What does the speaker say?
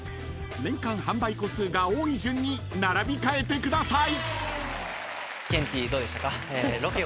年間販売個数が多い順に並び替えてください］